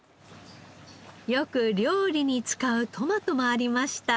よく料理に使うトマトもありました。